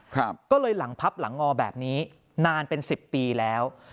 ก็เลยหลังพับหลังงอแบบนี้นานเป็นสิบปีแล้ว